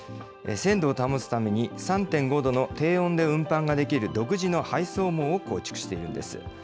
鮮度を保つために、３．５度の低温で運搬ができる独自の配送網を構築しているんです。